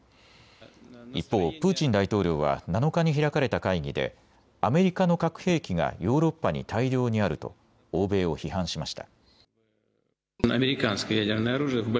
一方、プーチン大統領は７日に開かれた会議でアメリカの核兵器がヨーロッパに大量にあると欧米を批判しました。